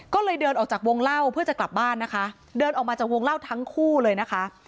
ก็เลยเดินออกจากวงเล่าเพื่อจะกลับบ้านนะคะเดินออกมาจากวงเล่าทั้งคู่เลยนะคะ